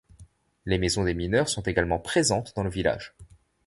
Les maisons des mineurs sont également présentes dans le village.